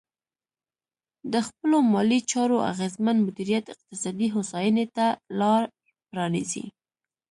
د خپلو مالي چارو اغېزمن مدیریت اقتصادي هوساینې ته لار پرانیزي.